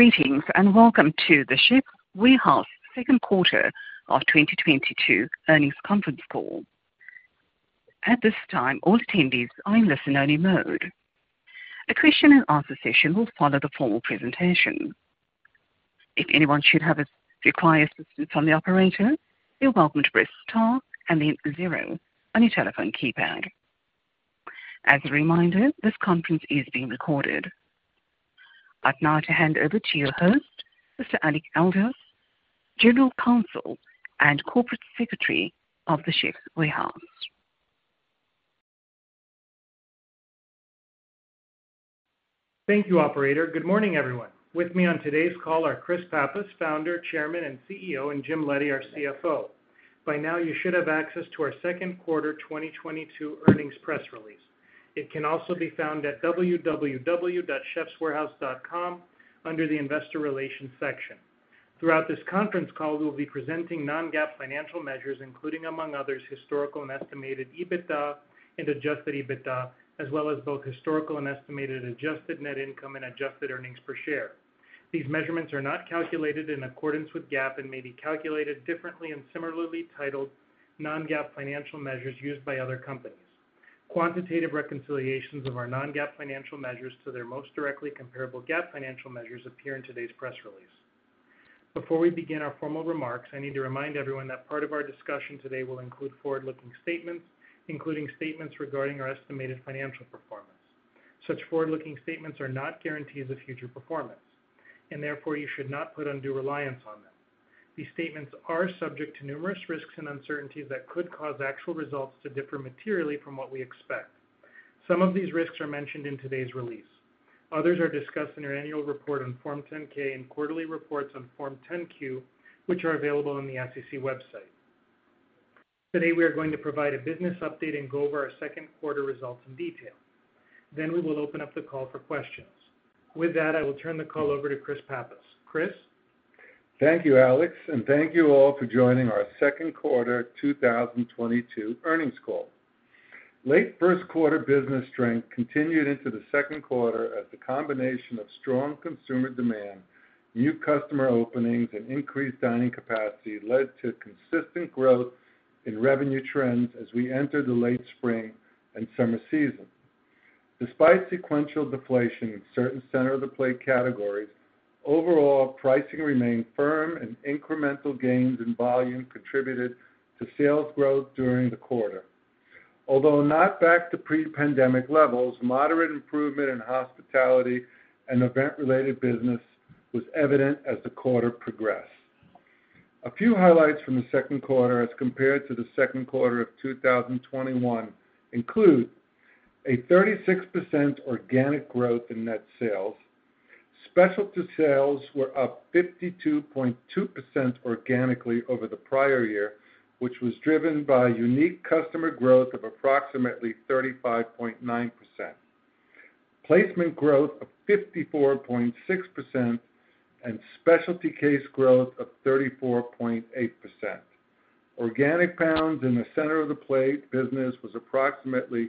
Greetings, and welcome to The Chefs' Warehouse second quarter of 2022 earnings conference call. At this time, all attendees are in listen-only mode. A question-and-answer session will follow the formal presentation. If anyone should require assistance from the operator, you're welcome to press star and then zero on your telephone keypad. As a reminder, this conference is being recorded. I'd now like to hand over to your host, Mr. Alexandros Aldous, General Counsel and Corporate Secretary of The Chefs' Warehouse. Thank you, operator. Good morning, everyone. With me on today's call are Chris Pappas, Founder, Chairman, and CEO, and Jim Leddy, our CFO. By now, you should have access to our second-quarter 2022 earnings press release. It can also be found at www.chefswarehouse.com under the Investor Relations section. Throughout this conference call, we'll be presenting non-GAAP financial measures, including, among others, historical and estimated EBITDA and Adjusted EBITDA, as well as both historical and estimated adjusted net income and adjusted earnings per share. These measurements are not calculated in accordance with GAAP and may be calculated differently, and similarly titled non-GAAP financial measures used by other companies. Quantitative reconciliations of our non-GAAP financial measures to their most directly comparable GAAP financial measures appear in today's press release. Before we begin our formal remarks, I need to remind everyone that part of our discussion today will include forward-looking statements, including statements regarding our estimated financial performance. Such forward-looking statements are not guarantees of future performance, and therefore, you should not put undue reliance on them. These statements are subject to numerous risks and uncertainties that could cause actual results to differ materially from what we expect. Some of these risks are mentioned in today's release. Others are discussed in our annual report on Form 10-K and quarterly reports on Form 10-Q, which are available on the SEC website. Today, we are going to provide a business update and go over our second-quarter results in detail. Then we will open up the call for questions. With that, I will turn the call over to Chris Pappas. Chris? Thank you, Alex, and thank you all for joining our second quarter 2022 earnings call. Late first quarter business strength continued into the second quarter as the combination of strong consumer demand, new customer openings, and increased dining capacity led to consistent growth in revenue trends as we enter the late spring and summer season. Despite sequential deflation in certain center-of-the-plate categories, overall pricing remained firm and incremental gains in volume contributed to sales growth during the quarter. Although not back to pre-pandemic levels, moderate improvement in hospitality and event-related business was evident as the quarter progressed. A few highlights from the second quarter, as compared to the second quarter of 2021, include a 36% organic growth in net sales. Specialty sales were up 52.2% organically over the prior year, which was driven by unique customer growth of approximately 35.9%. Placement growth of 54.6% and specialty case growth of 34.8%. Organic pounds in the center-of-the-plate business were approximately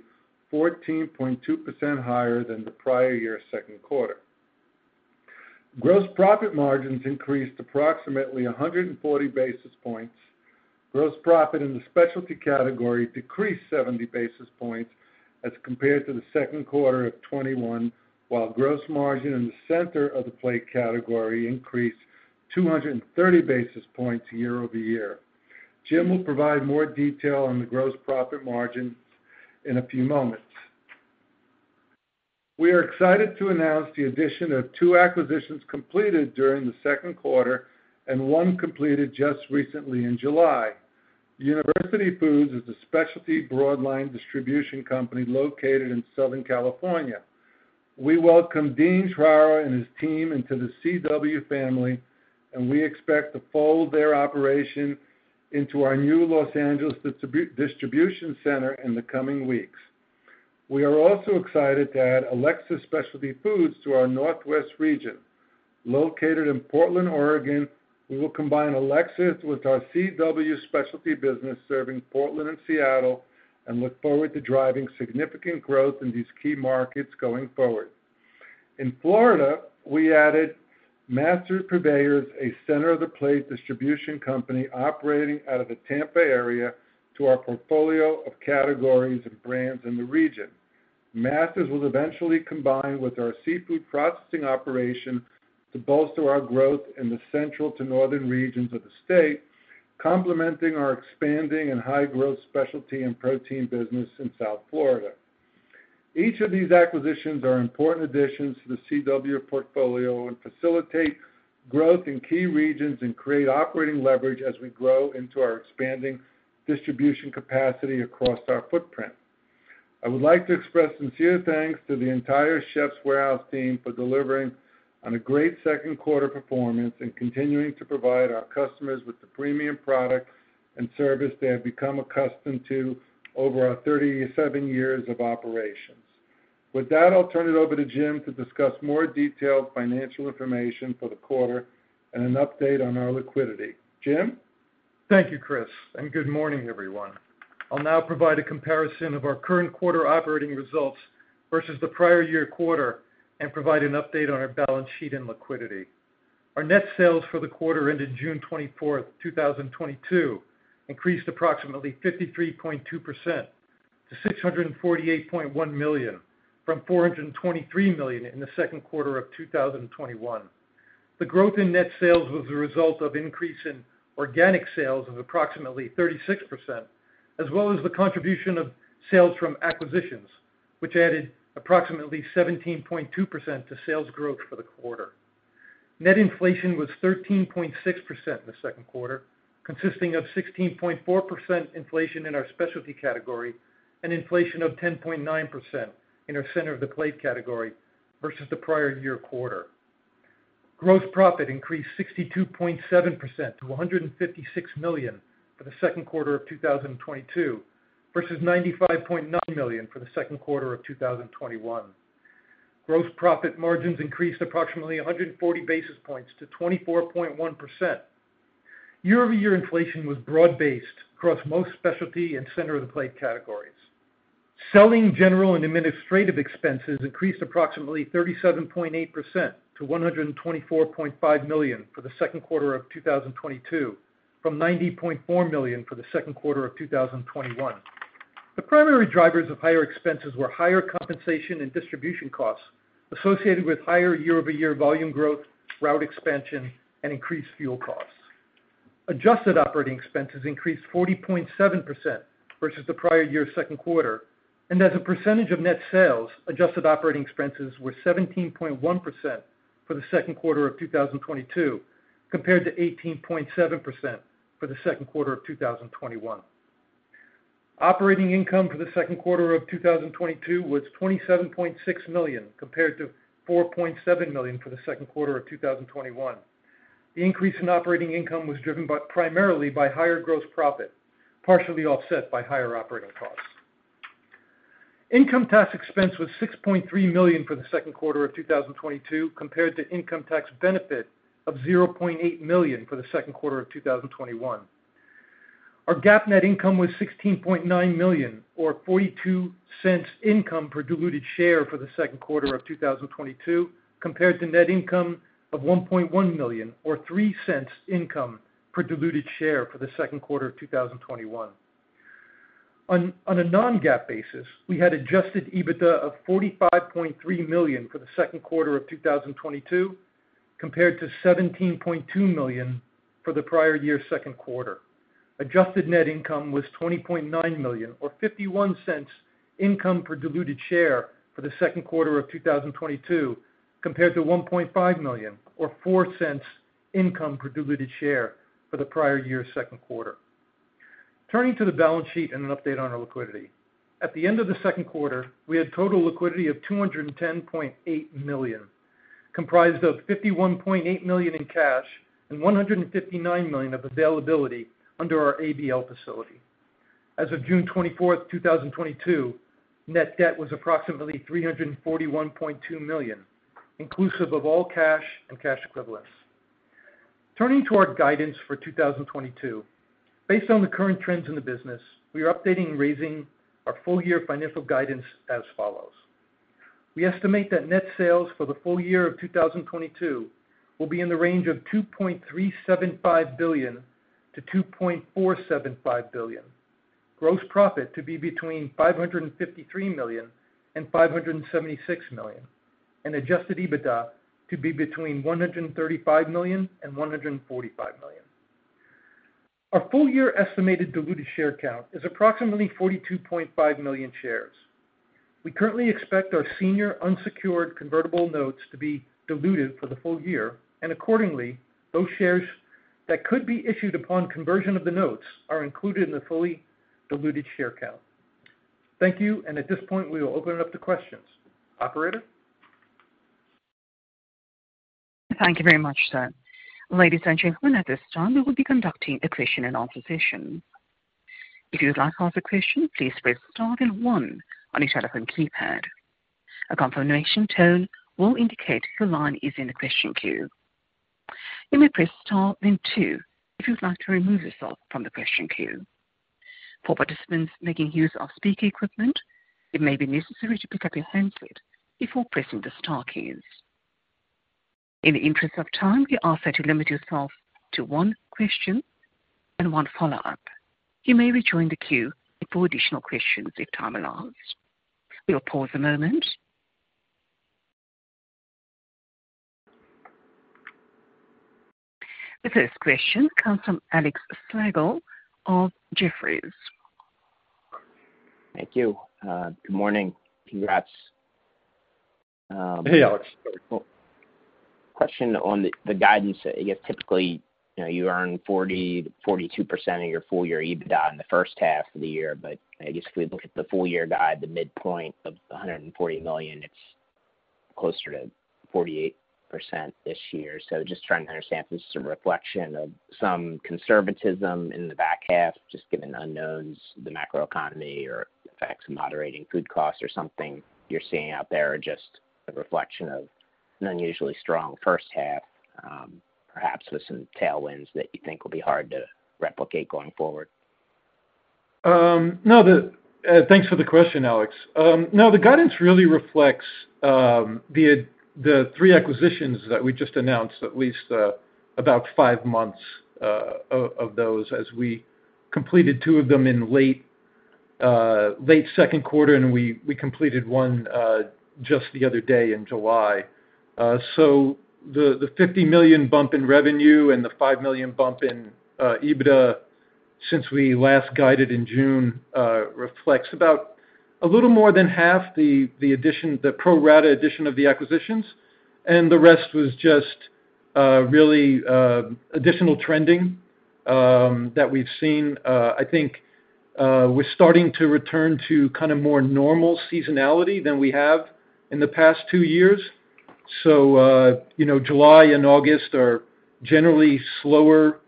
14.2% higher than the prior year's second quarter. Gross profit margins increased approximately 140 basis points. Gross profit in the specialty category decreased 70 basis points as compared to the second quarter of 2021, while gross margin in the center-of-the-plate category increased 230 basis points year-over-year. Jim will provide more details on the gross profit margin in a few moments. We are excited to announce the addition of two acquisitions completed during the second quarter, and one completed just recently in July. University Foods is a specialty broad-line distribution company located in Southern California. We welcome Dean Papataros and his team into the CW family, and we expect to fold their operation into our new Los Angeles distribution center in the coming weeks. We are also excited to add Alexis Foods to our Northwest region. Located in Portland, Oregon, we will combine Alexis with our CW specialty business serving Portland and Seattle, and look forward to driving significant growth in these key markets going forward. In Florida, we added Master Purveyors, a center-of-the-plate distribution company operating out of the Tampa area, to our portfolio of categories and brands in the region. Master Purveyors will eventually combine with our seafood processing operation to bolster our growth in the central to northern regions of the state, complementing our expanding and high-growth specialty and protein business in South Florida. Each of these acquisitions is an important addition to the CW portfolio and facilitates growth in key regions, and creates operating leverage as we grow into our expanding distribution capacity across our footprint. I would like to express sincere thanks to the entire Chefs' Warehouse team for delivering on a great second quarter performance and continuing to provide our customers with the premium products and service they have become accustomed to over our 37 years of operations. With that, I'll turn it over to Jim to discuss more detailed financial information for the quarter and an update on our liquidity. Jim? Thank you, Chris, and good morning, everyone. I'll now provide a comparison of our current quarter operating results versus the prior year quarter and provide an update on our balance sheet and liquidity. Our net sales for the quarter ended June 24, 2022, increased approximately 53.2% to $648.1 million from $423 million in the second quarter of 2021. The growth in net sales was a result of an increase in organic sales of approximately 36%, as well as the contribution of sales from acquisitions, which added approximately 17.2% to sales growth for the quarter. Net inflation was 13.6% in the second quarter, consisting of 16.4% inflation in our specialty category and inflation of 10.9% in our center-of-the-plate category versus the prior year quarter. Gross profit increased 62.7% to $156 million for the second quarter of 2022 versus $95.9 million for the second quarter of 2021. Gross profit margins increased approximately 140 basis points to 24.1%. Year-over-year inflation was broad-based across most specialty and center-of-the-plate categories. Selling general and administrative expenses increased approximately 37.8% to $124.5 million for the second quarter of 2022 from $90.4 million for the second quarter of 2021. The primary drivers of higher expenses were higher compensation and distribution costs associated with higher year-over-year volume growth, route expansion, and increased fuel costs. Adjusted operating expenses increased 40.7% versus the prior year's second quarter. As a percentage of net sales, adjusted operating expenses were 17.1% for the second quarter of 2022, compared to 18.7% for the second quarter of 2021. Operating income for the second quarter of 2022 was $27.6 million, compared to $4.7 million for the second quarter of 2021. The increase in operating income was driven primarily by higher gross profit, partially offset by higher operating costs. Income tax expense was $6.3 million for the second quarter of 2022, compared to an income tax benefit of $0.8 million for the second quarter of 2021. Our GAAP net income was $16.9 million or $0.42 per diluted share for the second quarter of 2022, compared to net income of $1.1 million or $0.03 per diluted share for the second quarter of 2021. On a non-GAAP basis, we had Adjusted EBITDA of $45.3 million for the second quarter of 2022, compared to $17.2 million for the prior year's second quarter. Adjusted net income was $20.9 million or $0.51 income per diluted share for the second quarter of 2022, compared to $1.5 million or $0.04 income per diluted share for the prior year's second quarter. Turning to the balance sheet and an update on our liquidity. At the end of the second quarter, we had total liquidity of $210.8 million, comprised of $51.8 million in cash and $159 million of availability under our ABL facility. As of June 24, 2022, net debt was approximately $341.2 million, inclusive of all cash and cash equivalents. Turning to our guidance for 2022. Based on the current trends in the business, we are updating and raising our full-year financial guidance as follows. We estimate that net sales for the full year of 2022 will be in the range of $2.375 billion-$2.475 billion. Gross profit to be between $553 million and $576 million. Adjusted EBITDA to be between $135 million and $145 million. Our full-year estimated diluted share count is approximately 42.5 million shares. We currently expect our senior unsecured convertible notes to be diluted for the full year, and accordingly, those shares that could be issued upon conversion of the notes are included in the fully diluted share count. Thank you. At this point, we will open it up to questions. Operator? Thank you very much, sir. Ladies and gentlemen, at this time, we will be conducting a question-and-answer session. If you would like to ask a question, please press star then one on your telephone keypad. A confirmation tone will indicate your line is in the question queue. You may press star then two if you'd like to remove yourself from the question queue. For participants making use of speaker equipment, it may be necessary to pick up your handset before pressing the star keys. In the interest of time, we ask that you limit yourself to one question and one follow-up. You may rejoin the queue for additional questions if time allows. We will pause a moment. The first question comes from Alex Slagle of Jefferies. Thank you. Good morning. Congrats, Hey, Alex. Oh. Question on the guidance. I guess typically, you know, you earn 40%-42% of your full-year EBITDA in the first half of the year. I guess if we look at the full year guide, the midpoint of $140 million, it's closer to 48% this year. Just trying to understand if this is a reflection of some conservatism in the back half, just given unknowns, the macro economy, or effects of moderating food costs, or something you're seeing out there, or just a reflection of an unusually strong first half, perhaps with some tailwinds that you think will be hard to replicate going forward. No. Thanks for the question, Alex. No, the guidance really reflects the three acquisitions that we just announced, at least about five months of those, as we completed two of them in the late second quarter, and we completed one just the other day in July. The $50 million bump in revenue and the $5 million bump in EBITDA since we last guided in June reflect about a little more than half of the addition, the pro rata addition of the acquisitions, and the rest was just really additional trending that we've seen. I think we're starting to return to kind of more normal seasonality than we have in the past two years. You know, July and August are generally slower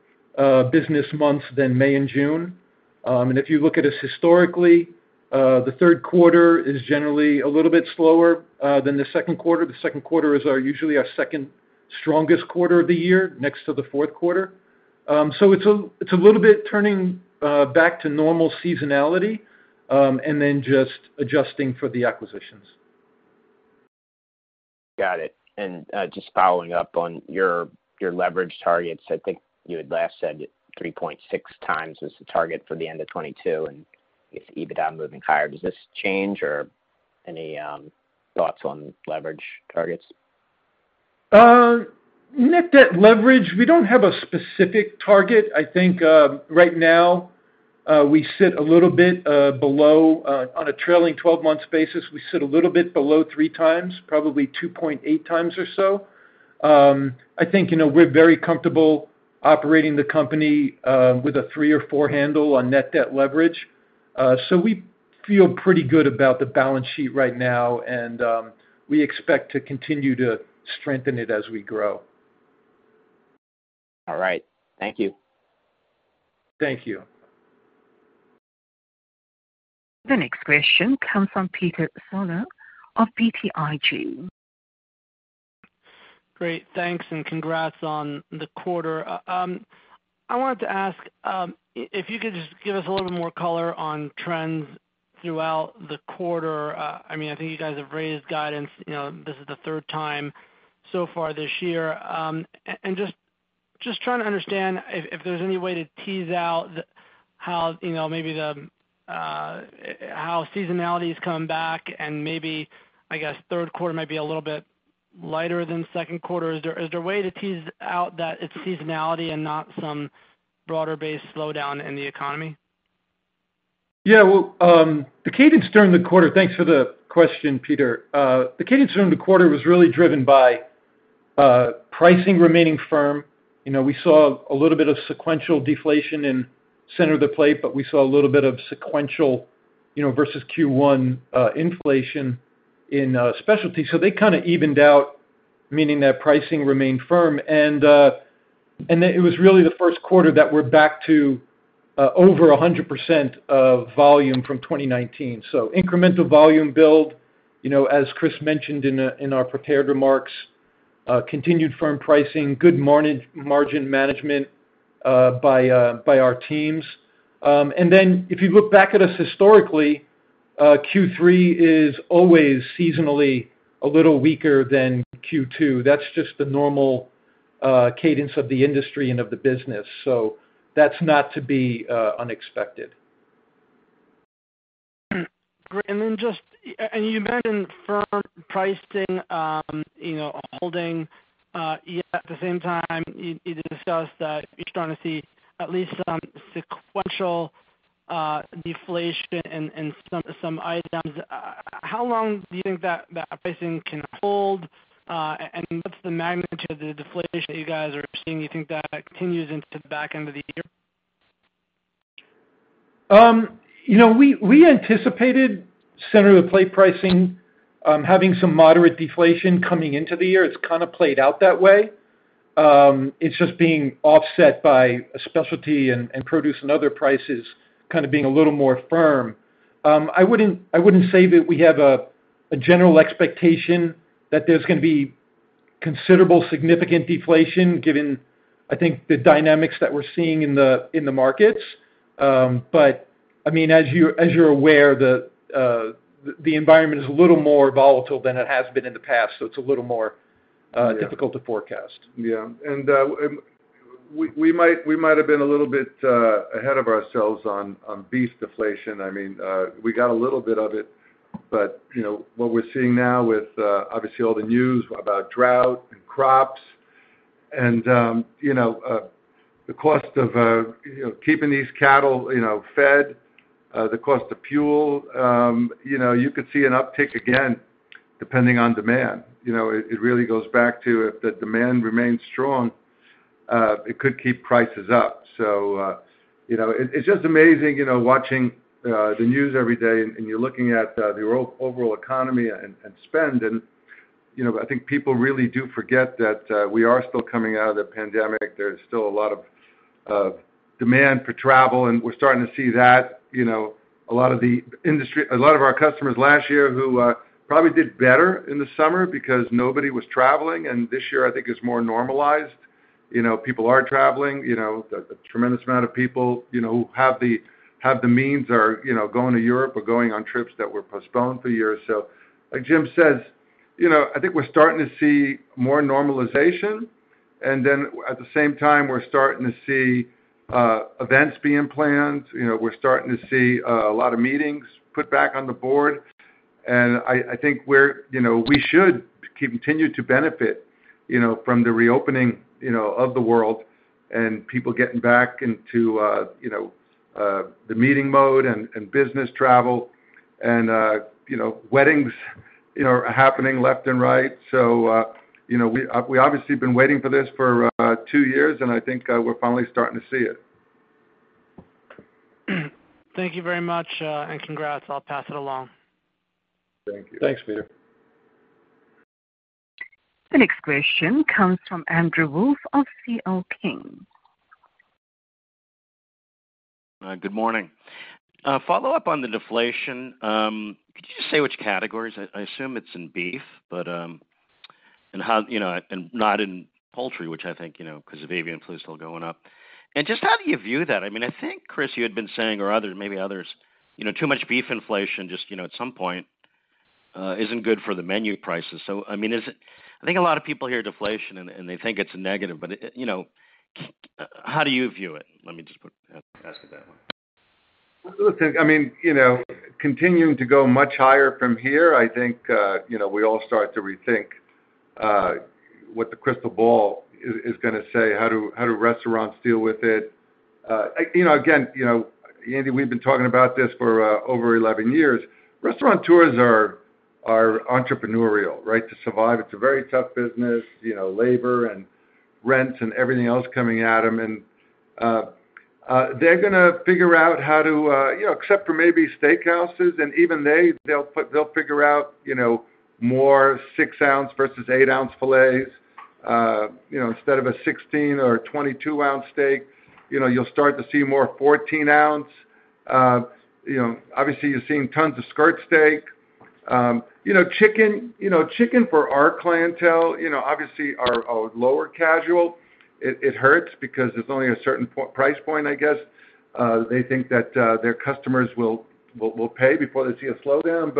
business months than May and June. If you look at us historically, the third quarter is generally a little bit slower than the second quarter. The second quarter is usually our second strongest quarter of the year, next to the fourth quarter. It's a little bit turning back to normal seasonality, and then just adjusting for the acquisitions. Got it. Just following up on your leverage targets. I think you had last said 3.6x was the target for the end of 2022, and with EBITDA moving higher, does this change, or any thoughts on leverage targets? Net debt leverage, we don't have a specific target. I think, right now, we sit a little bit below, on a trailing 12-month basis. We sit a little bit below 3x, probably 2.8x or so. I think, you know, we're very comfortable operating the company, with a three or four handle on net debt leverage. We feel pretty good about the balance sheet right now, and we expect to continue to strengthen it as we grow. All right. Thank you. Thank you. The next question comes from Peter Saleh of BTIG. Great. Thanks, and congrats on the quarter. I wanted to ask if you could just give us a little bit more color on trends throughout the quarter. I mean, I think you guys have raised guidance, you know, this is the third time so far this year, and just trying to understand if there's any way to tease out how, you know, maybe how seasonality has come back, and maybe, I guess, the third quarter might be a little bit lighter than the second quarter. Is there a way to tease out that it's seasonality and not some broader-based slowdown in the economy? Yeah. Well, the cadence during the quarter. Thanks for the question, Peter. The cadence during the quarter was really driven by pricing remaining firm. You know, we saw a little bit of sequential deflation in center-of-the-plate, but we saw a little bit of sequential, you know, versus Q1, inflation in specialty. They kind of evened out, meaning that pricing remained firm. And then it was really the first quarter that we're back to over 100% of volume from 2019. Incremental volume build, you know, as Chris mentioned in our prepared remarks, continued firm pricing, good margin management by our teams. And then if you look back at us historically, Q3 is always seasonally a little weaker than Q2. That's just the normal cadence of the industry and of the business. That's not unexpected. Great. Then you mentioned firm pricing, you know, holding, yet at the same time, you discussed that you're starting to see at least some sequential deflation in some items. How long do you think that pricing can hold, and what's the magnitude of the deflation that you guys are seeing? You think that continues into the back end of the year? You know, we anticipated center-of-the-plate pricing having some moderate deflation coming into the year. It's kind of played out that way. It's just being offset by a specialty and produce and other prices kind of being a little more firm. I wouldn't say that we have a general expectation that there's gonna be considerable significant deflation given, I think, the dynamics that we're seeing in the markets. I mean, as you're aware, the environment is a little more volatile than it has been in the past, so it's a little more. Yeah difficult to forecast. Yeah. We might have been a little bit ahead of ourselves on beef deflation. I mean, we got a little bit of it, but you know, what we're seeing now with obviously all the news about drought and crops, and you know, the cost of keeping these cattle, you know, fed, the cost of fuel, you know, you could see an uptick again, depending on demand. You know, it really goes back to if the demand remains strong, it could keep prices up. You know, it's just amazing, you know, watching the news every day, and you're looking at the overall economy and spending, and you know, I think people really do forget that we are still coming out of the pandemic. There's still a lot of demand for travel, and we're starting to see that, you know, a lot of our customers last year who probably did better in the summer because nobody was traveling, and this year I think is more normalized. You know, people are traveling. You know, the tremendous amount of people, you know, who have the means are, you know, going to Europe or going on trips that were postponed for years. Like Jim says, you know, I think we're starting to see more normalization. At the same time, we're starting to see events being planned. You know, we're starting to see a lot of meetings put back on the board. I think we're you know, we should continue to benefit, you know, from the reopening, you know, of the world and people getting back into you know, the meeting mode and business travel and you know, weddings, you know, happening left and right. You know, we obviously been waiting for this for two years, and I think we're finally starting to see it. Thank you very much, and congrats. I'll pass it along. Thank you. Thanks, Peter. The next question comes from Andrew Wolf of C.L. King. Good morning. Follow up on the deflation. Could you just say which categories? I assume it's in beef, but and how, you know, not in poultry, which I think you know, because of avian flu is still going up. Just how do you view that? I mean, I think Chris, you had been saying or others, maybe others, you know, too much beef inflation just, you know, at some point, isn't good for the menu prices. I mean, is it? I think a lot of people hear deflation and they think it's a negative, but you know, how do you view it? Let me just put it. Ask it that way. Listen, I mean, you know, continuing to go much higher from here, I think, you know, we all start to rethink what the crystal ball is gonna say, how do restaurants deal with it. You know, again, you know, Andy, we've been talking about this for over 11 years. Restaurateurs are entrepreneurial, right? To survive, it's a very tough business, you know, labor and rents and everything else coming at them. They're gonna figure out how to, you know, except for maybe steakhouses, and even they'll figure out, you know, more 6-ounce versus 8-ounce filets. You know, instead of a 16- or 22-ounce steak, you'll start to see more 14-ounce. You know, obviously, you're seeing tons of skirt steak. You know, chicken for our clientele, you know, obviously, is lower casual. It hurts because there's only a certain price point, I guess. They think that their customers will pay before they see a slowdown.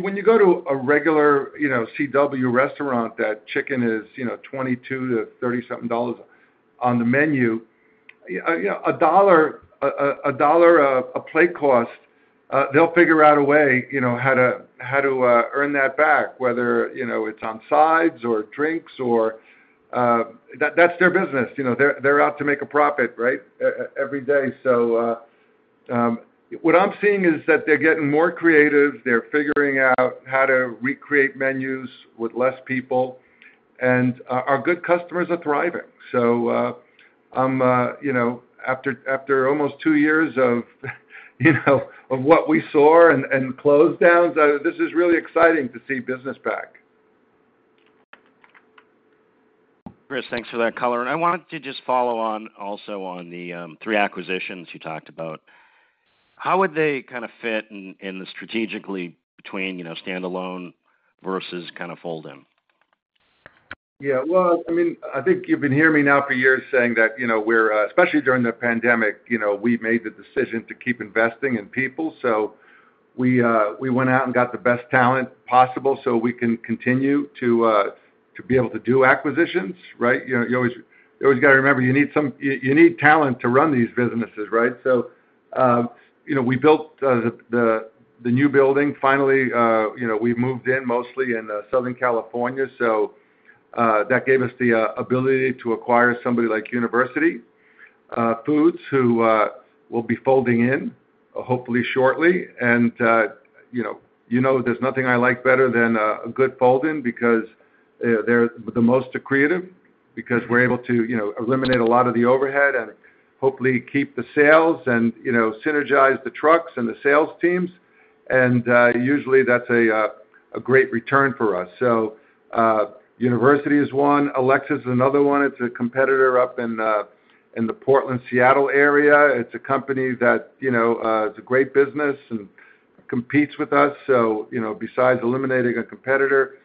When you go to a regular, you know, CW restaurant, that chicken is, you know, $22-$30-something on the menu, you know, $1 a plate cost, they'll figure out a way, you know, how to earn that back, whether, you know, it's on sides or drinks or. That's their business. You know, they're out to make a profit, right? Every day. What I'm seeing is that they're getting more creative. They're figuring out how to recreate menus with less people. Our good customers are thriving. You know, after almost two years of what we saw and shutdowns, it's really exciting to see business back. Chris, thanks for that color. I wanted to just follow on, also on the three acquisitions you talked about. How would they kind of fit in strategically between, you know, standalone versus kind of fold-in? Yeah. Well, I mean, I think you've been hearing me now for years saying that, you know, we're especially during the pandemic, you know, we made the decision to keep investing in people. We went out and got the best talent possible so we can continue to be able to do acquisitions, right? You know, you always gotta remember, you need talent to run these businesses, right? You know, we built the new building finally. You know, we moved mostly to Southern California. That gave us the ability to acquire somebody like University Foods, which we'll be folding in hopefully shortly. You know, there's nothing I like better than a good fold-in because they're the most accretive because we're able to, you know, eliminate a lot of the overhead and hopefully keep the sales and, you know, synergize the trucks and the sales teams. Usually, that's a great return for us. University Foods is one. Alexis Foods is another one. It's a competitor up in the Portland, Seattle area. It's a company that, you know, is a great business and competes with us. Besides eliminating a competitor,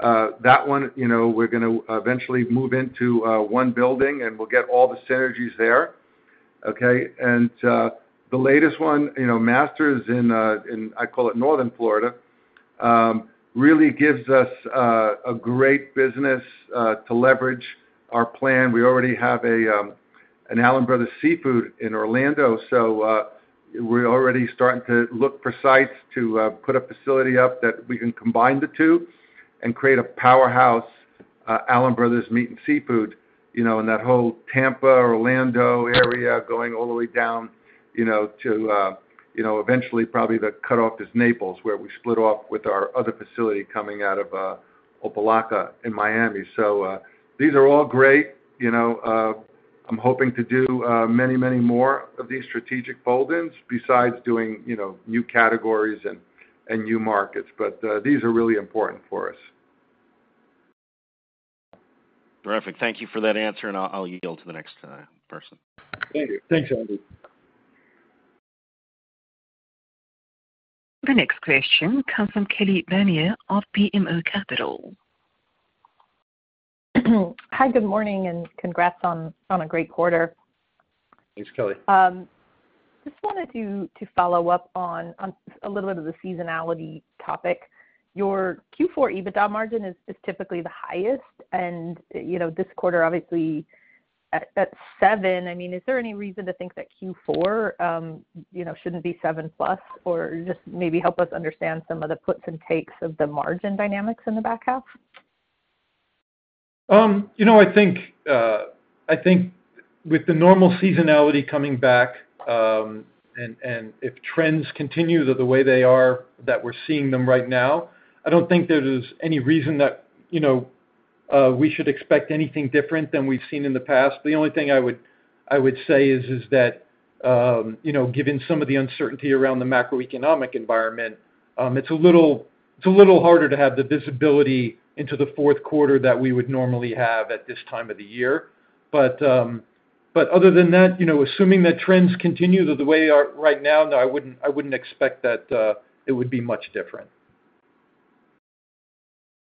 that one, you know, we're gonna eventually move into one building, and we'll get all the synergies there, okay? The latest one, you know, Master Purveyors in what I call Northern Florida, really gives us a great business to leverage our plan. We already have an Allen Brothers Seafood in Orlando. We're already starting to look for sites to put a facility up that we can combine the two and create a powerhouse, Allen Brothers Meat and Seafood, you know, in that whole Tampa, Orlando area, going all the way down, you know, to eventually probably the cutoff is Naples, where we split off with our other facility coming out of Opa-locka in Miami. These are all great. You know, I'm hoping to do many, many more of these strategic fold-ins besides doing, you know, new categories and new markets. These are really important for us. Perfect. Thank you for that answer, and I'll yield to the next person. Thank you. Thanks, Andy. The next question comes from Kelly Bania of BMO Capital Markets. Hi, good morning, and congrats on a great quarter. Thanks, Kelly. Just wanted to follow up on a little bit of the seasonality topic. Your Q4 EBITDA margin is typically the highest, and you know, this quarter, obviously, at 7%, I mean, is there any reason to think that Q4, you know, shouldn't be 7%+, or just maybe help us understand some of the puts and takes of the margin dynamics in the back half? You know, I think with the normal seasonality coming back, and if trends continue the way they are that we're seeing them right now, I don't think there is any reason that, you know, we should expect anything different than we've seen in the past. The only thing I would say is that, you know, given some of the uncertainty around the macroeconomic environment, it's a little harder to have the visibility into the fourth quarter that we would normally have at this time of the year. Other than that, you know, assuming that trends continue the way they are right now, no, I wouldn't expect that it would be much different.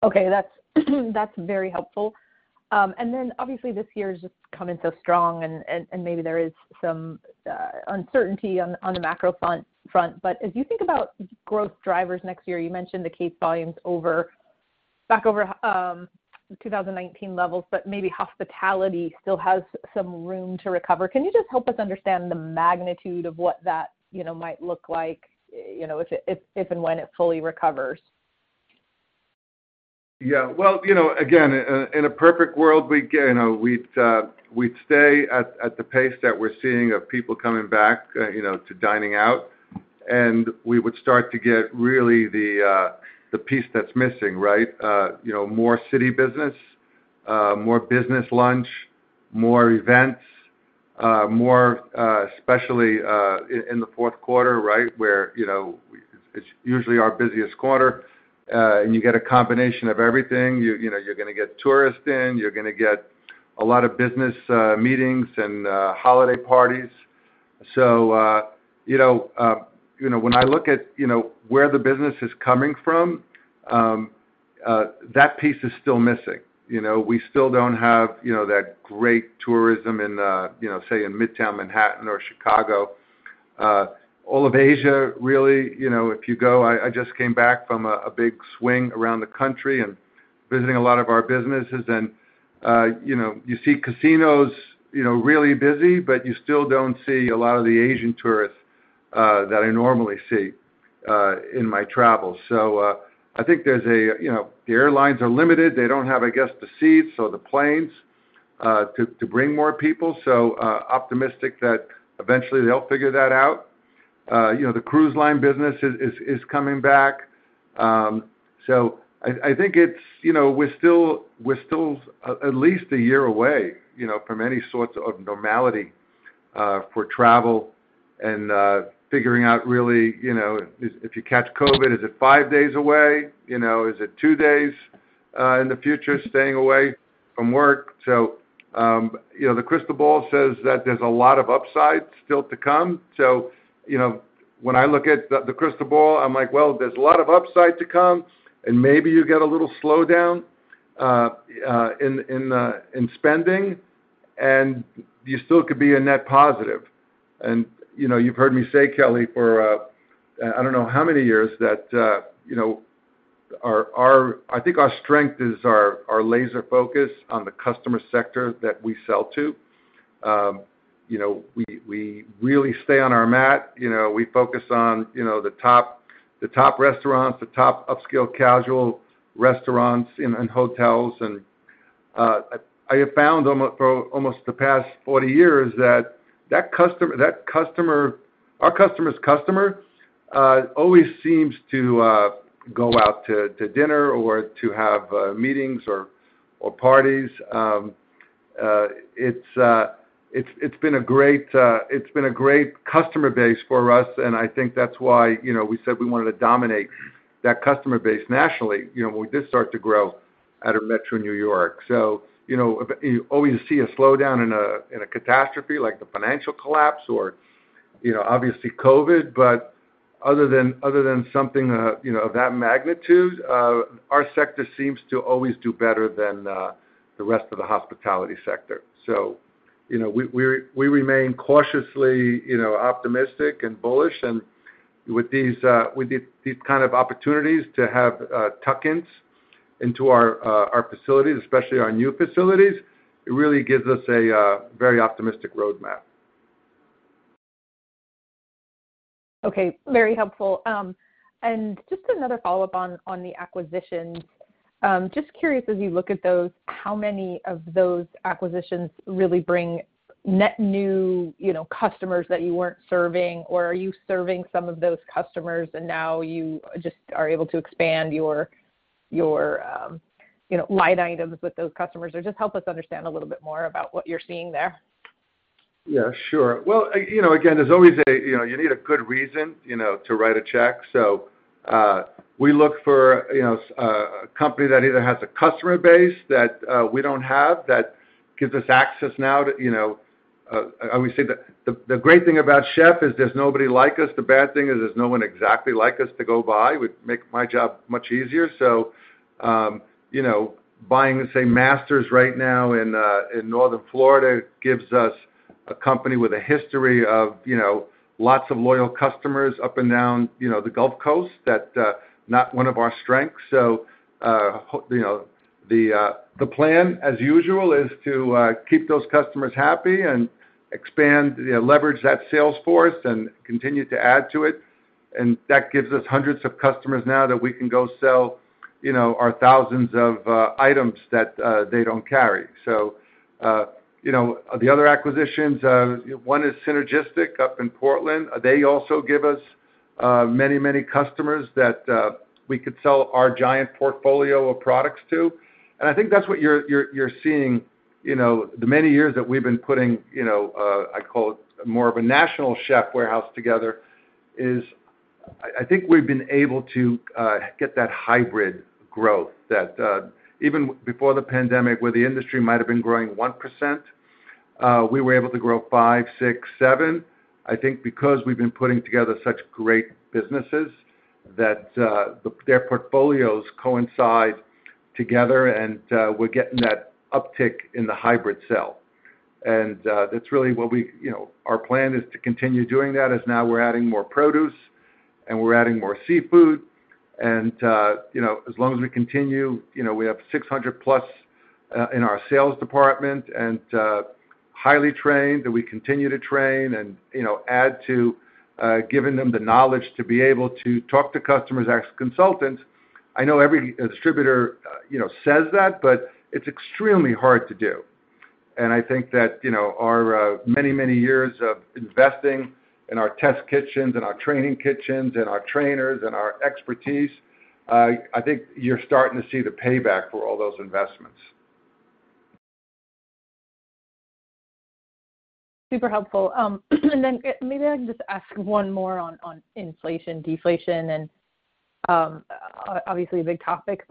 Okay, that's very helpful. Obviously this year has just come in so strong and maybe there is some uncertainty on the macro front, but as you think about growth drivers next year, you mentioned the case volumes back over 2019 levels, but maybe hospitality still has some room to recover. Can you just help us understand the magnitude of what that might look like, you know, if and when it fully recovers? Yeah. Well, you know, again, in a perfect world, we'd stay at the pace that we're seeing of people coming back, you know, to dining out. We would start to get really the piece that's missing, right? You know, more city business, more business lunch, more events, more, especially, in the fourth quarter, right? Where, you know, it's usually our busiest quarter, and you get a combination of everything. You know, you're gonna get tourists in, you're gonna get a lot of business, meetings and, holiday parties. You know, you know, when I look at, you know, where the business is coming from, that piece is still missing. You know, we still don't have, you know, that great tourism in, you know, say in Midtown Manhattan or Chicago. All of Asia, really, you know, if you go I just came back from a big swing around the country and visiting a lot of our businesses and, you know, you see casinos, you know, really busy, but you still don't see a lot of the Asian tourists that I normally see in my travels. So, I think there's a, you know, the airlines are limited. They don't have, I guess, the seats or the planes to bring more people, so, optimistic that eventually they'll figure that out. You know, the cruise line business is coming back. I think it's, you know, we're still at least a year away, you know, from any sorts of normality for travel and figuring out really, you know, if you catch COVID, is it five days away? You know, is it two days in the future staying away from work? You know, the crystal ball says that there's a lot of upside still to come. You know, when I look at the crystal ball, I'm like, well, there's a lot of upside to come, and maybe you get a little slowdown in spending, and you still could be a net positive. You know, you've heard me say, Kelly, for I don't know how many years that you know our strength is our laser focus on the customer sector that we sell to. You know, we really stay on our mat. You know, we focus on you know the top restaurants, the top upscale casual restaurants and hotels. I have found almost the past 40 years that that customer our customer's customer always seems to go out to dinner or to have meetings or parties. It's been a great customer base for us, and I think that's why, you know, we said we wanted to dominate that customer base nationally, you know, when we did start to grow out of Metro New York. You know, you always see a slowdown in a catastrophe like the financial collapse or, you know, obviously COVID, but other than something, you know, of that magnitude, our sector seems to always do better than the rest of the hospitality sector. You know, we remain cautiously, you know, optimistic and bullish, and with these kind of opportunities to have tuck-ins into our facilities, especially our new facilities, it really gives us a very optimistic roadmap. Okay. Very helpful. Just another follow-up on the acquisitions. Just curious as you look at those, how many of those acquisitions really bring net new, you know, customers that you weren't serving, or are you serving some of those customers and now you just are able to expand your line items with those customers? Just help us understand a little bit more about what you're seeing there. Yeah, sure. Well, you know, again, there's always, you know, you need a good reason, you know, to write a check. We look for, you know, a company that either has a customer base that we don't have, that gives us access now to, you know. I would say the great thing about Chef is that there's nobody like us. The bad thing is there's no one exactly like us to go buy, which would make my job much easier. You know, buying Master Purveyors of Florida right now in Northern Florida gives us a company with a history of, you know, lots of loyal customers up and down, you know, the Gulf Coast, which is not one of our strengths. You know, the plan as usual is to keep those customers happy and expand, you know, leverage that sales force and continue to add to it. That gives us hundreds of customers now that we can go sell, you know, our thousands of items that they don't carry. You know, the other acquisitions, one is Alexis Foods up in Portland. They also give us many, many customers that we could sell our giant portfolio of products to. I think that's what you're seeing, you know, the many years that we've been putting, you know, I'd call it more of a national Chefs' Warehouse together. I think we've been able to get that hybrid growth that even before the pandemic, where the industry might have been growing 1%, we were able to grow 5%, 6%, 7%, I think, because we've been putting together such great businesses that their portfolios coincide together, and we're getting that uptick in the cross-sell. That's really what we. You know, our plan is to continue doing that, as now we're adding more produce, and we're adding more seafood. You know, as long as we continue, you know, we have 600+ in our sales department, and highly trained, that we continue to train and, you know, add to, giving them the knowledge to be able to talk to customers as consultants. I know every distributor, you know, says that, but it's extremely hard to do. I think that, you know, our many, many years of investing in our test kitchens and our training kitchens and our trainers and our expertise, I think you're starting to see the payback for all those investments. Super helpful. Then maybe I can just ask one more on inflation, deflation, and obviously a big topic.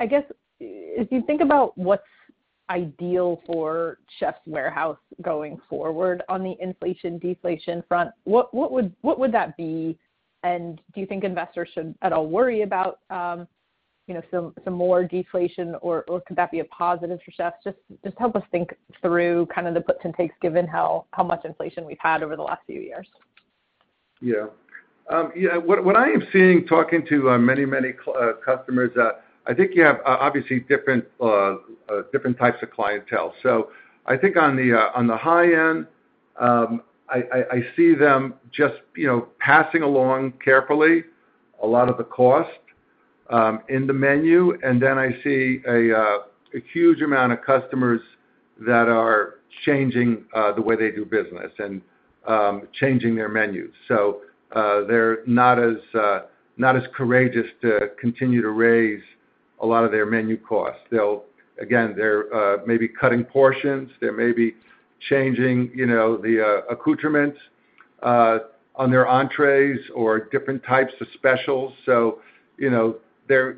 I guess if you think about what's ideal for The Chefs' Warehouse going forward on the inflation/deflation front, what would that be? Do you think investors should worry at all about some more deflation, or could that be a positive for The Chefs' Warehouse? Just help us think through kind of the puts and takes given how much inflation we've had over the last few years. Yeah. What I am seeing when talking to many customers, I think you have obviously different types of clientele. I think on the high end, I see them just, you know, passing along carefully a lot of the cost in the menu. I see a huge amount of customers that are changing the way they do business and changing their menus. They're not as courageous to continue to raise a lot of their menu costs. They'll again, they're maybe cutting portions. They may be changing, you know, the accoutrements on their entrees or different types of specials. You know, they're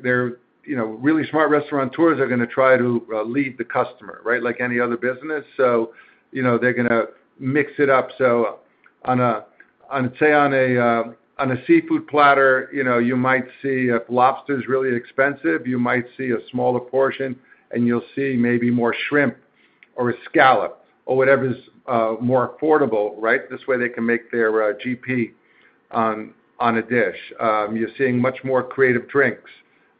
really smart restaurateurs are gonna try to lead the customer, right? Like any other business. You know, they're gonna mix it up. On a, say, on a seafood platter, you know, you might see if lobster is really expensive, you might see a smaller portion, and you'll see maybe more shrimp or a scallop or whatever is more affordable, right? This way they can make their GP on a dish. You're seeing much more creative drinks.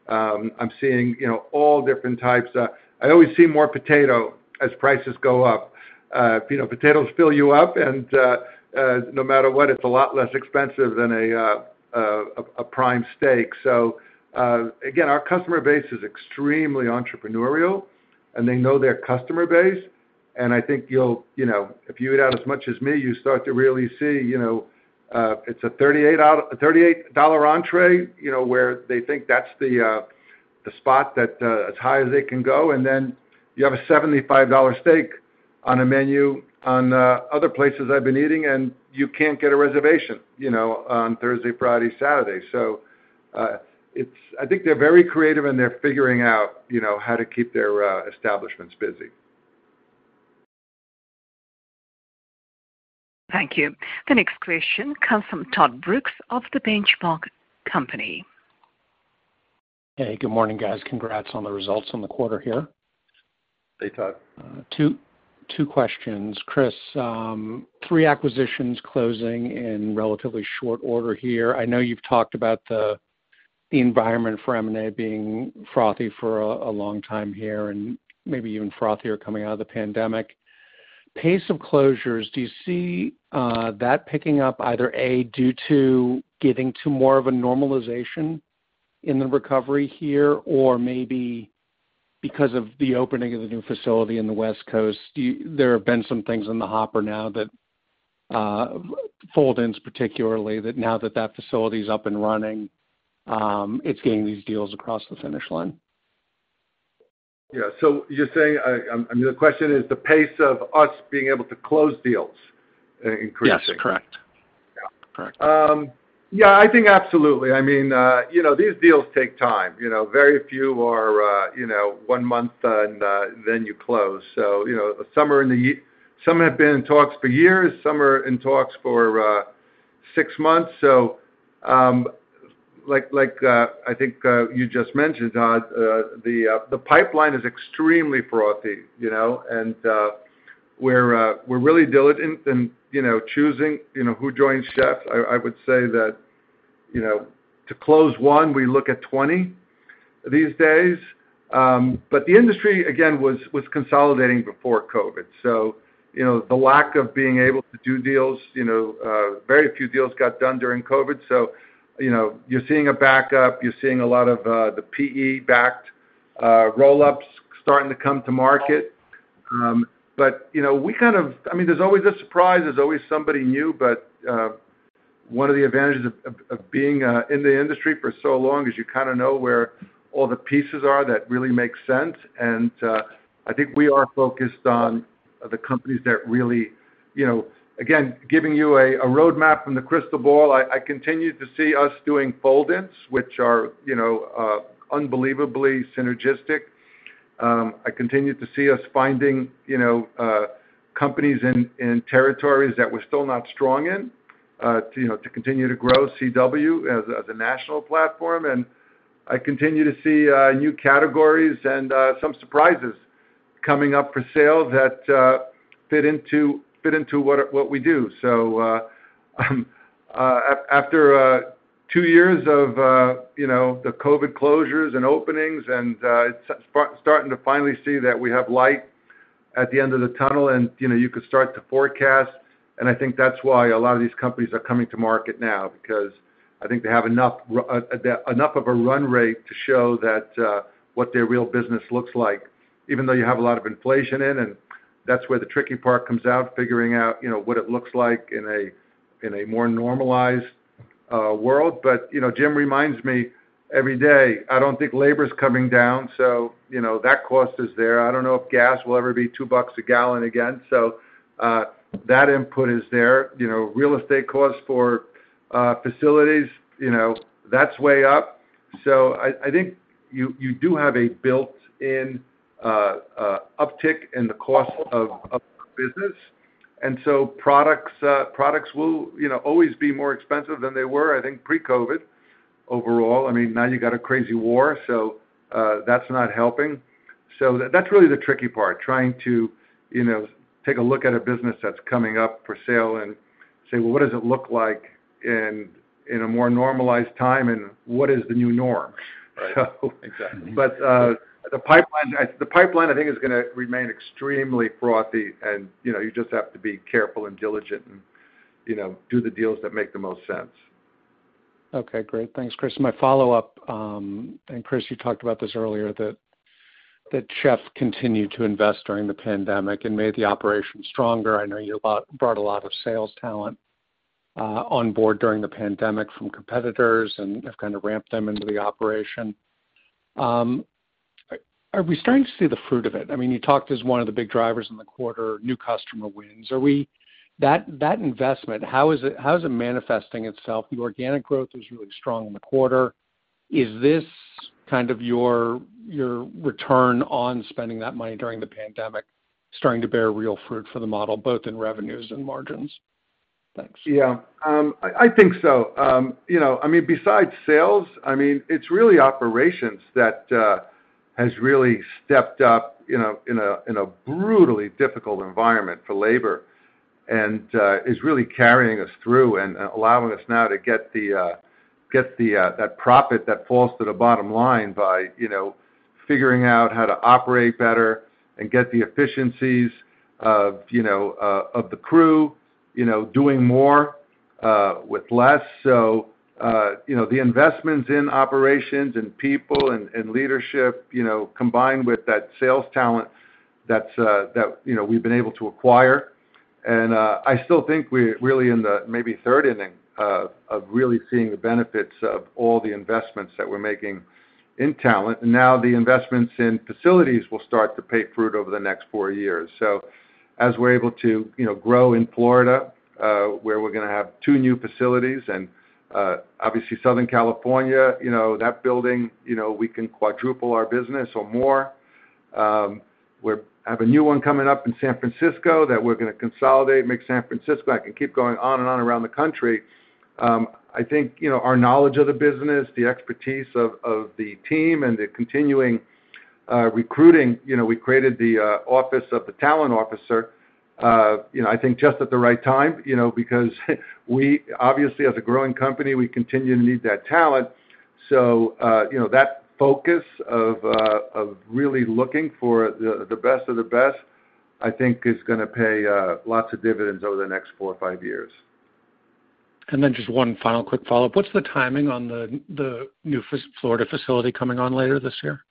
I'm seeing, you know, all different types. I always see more potatoes as prices go up. You know, potatoes fill you up, and no matter what, it's a lot less expensive than a prime steak. Again, our customer base is extremely entrepreneurial, and they know their customer base. I think you'll, you know, if you eat out as much as me, you start to really see, you know, it's a $38 entree, you know, where they think that's the spot that as high as they can go, and then you have a $75 steak on a menu in other places I've been eating, and you can't get a reservation, you know, on Thursday, Friday, Saturday. I think they're very creative, and they're figuring out, you know, how to keep their establishments busy. Thank you. The next question comes from Todd Brooks of The Benchmark Company. Hey, good morning, guys. Congrats on the results on the quarter here. Hey, Todd. Two questions. Chris, three acquisitions are closing in relatively short order here. I know you've talked about the environment for M&A being frothy for a long time here and maybe even frothier coming out of the pandemic. Pace of closures, do you see that picking up either A, due to getting to more of a normalization in the recovery here, or maybe because of the opening of the new facility on the West Coast? There have been some things in the hopper now that fold-ins, particularly, that now that that facility is up and running, it's getting these deals across the finish line. Yeah. You're saying, I mean, the question is the pace of us being able to close deals, increasing? Yes, correct. Yeah. Correct. Yeah, I think absolutely. I mean, you know, these deals take time, you know. Very few are, you know, one month, and then you close. You know, some have been in talks for years, some are in talks for six months. Like, I think you just mentioned the pipeline is extremely frothy, you know, and we're really diligent in, you know, choosing, you know, who joins Chef. I would say that, you know, to close one, we look at 20 these days. The industry was again consolidating before COVID. You know, the lack of being able to do deals, you know, very few deals got done during COVID. You know, you're seeing a backup, you're seeing a lot of the PE-backed roll-ups starting to come to market. You know, I mean, there's always a surprise. There's always somebody new. One of the advantages of being in the industry for so long is that you kind of know where all the pieces are that really make sense. I think we are focused on the companies that you really know. Again, giving you a roadmap from the crystal ball, I continue to see us doing fold-ins, which are, you know, unbelievably synergistic. I continue to see us finding you know companies in territories that we're still not strong in, to you know, to continue to grow CW as a national platform. I continue to see new categories and some surprises coming up for sale that fit into what we do. After two years of you know, the COVID closures and openings, and starting to finally see that we have light at the end of the tunnel, and you know, you could start to forecast. I think that's why a lot of these companies are coming to market now, because I think they have enough of a run rate to show what their real business looks like, even though you have a lot of inflation in, and that's where the tricky part comes out, figuring out, you know, what it looks like in a more normalized world. You know, Jim reminds me every day. I don't think labor's coming down, so, you know, that cost is there. I don't know if gas will ever be $2 a gallon again, so that input is there. You know, real estate costs for facilities, you know, that's way up. I think you do have a built-in uptick in the cost of business. Products will, you know, always be more expensive than they were, I think, pre-COVID overall. I mean, now you've got a crazy war, so that's not helping. That's really the tricky part, trying to, you know, take a look at a business that's coming up for sale and say, "Well, what does it look like in a more normalized time, and what is the new norm? Right. Exactly. The pipeline I think, is gonna remain extremely frothy and, you know, you just have to be careful and diligent and, you know, do the deals that make the most sense. Okay, great. Thanks, Chris. My follow-up, Chris, you talked about this earlier, that The Chefs' Warehouse continued to invest during the pandemic and made the operation stronger. I know you brought a lot of sales talent on board during the pandemic from competitors and have kind of ramped them into the operation. Are we starting to see the fruit of it? I mean, you talked about one of the big drivers in the quarter, new customer wins. That investment, how is it manifesting itself? The organic growth is really strong in the quarter. Is this kind of your return on spending that money during the pandemic starting to bear real fruit for the model, both in revenues and margins? Thanks. Yeah. I think so. You know, I mean, besides sales, I mean, it's really operations that has really stepped up, you know, in a brutally difficult environment for labor, and is really carrying us through and allowing us now to get the that profit that falls to the bottom line by, you know, figuring out how to operate better and get the efficiencies of, you know, of the crew, you know, doing more with less. You know, the investments in operations and people and leadership, you know, combined with that sales talent that's that, you know, we've been able to acquire. I still think we're really in the maybe third inning of really seeing the benefits of all the investments that we're making in talent. Now the investments in facilities will start to bear fruit over the next four years. As we're able to, you know, grow in Florida, where we're gonna have two new facilities, and obviously Southern California, you know, that building, you know, we can quadruple our business or more. We have a new one coming up in San Francisco that we're gonna consolidate, make San Francisco. I can keep going on and on around the country. I think, you know, our knowledge of the business, the expertise of the team, and the continuing recruiting, you know, we created the office of the talent officer, you know, I think just at the right time, you know, because we obviously, as a growing company, we continue to need that talent. You know, the focus of really looking for the best of the best, I think, is gonna pay lots of dividends over the next four or five years. Just one final quick follow-up. What's the timing on the new Florida facility coming on later this year?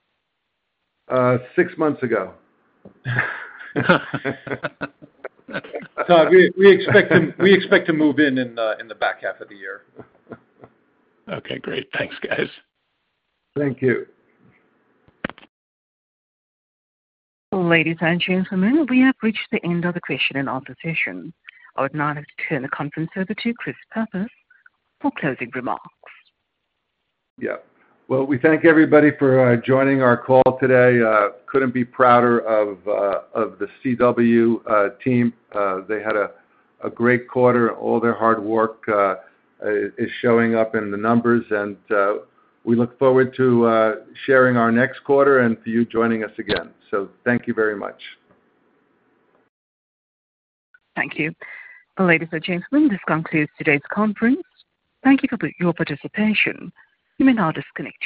Six months ago. Todd, we expect to move in the back half of the year. Okay, great. Thanks, guys. Thank you. Ladies and gentlemen, we have reached the end of the question-and-answer session. I would now like to turn the conference over to Chris Pappas for closing remarks. Yeah. Well, we thank everybody for joining our call today. Couldn't be prouder of the CW team. They had a great quarter. All their hard work is showing up in the numbers, and we look forward to sharing our next quarter and to you joining us again. Thank you very much. Thank you. Ladies and gentlemen, this concludes today's conference. Thank you for your participation. You may now disconnect your lines.